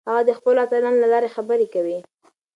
هغه د خپلو اتلانو له لارې خبرې کوي.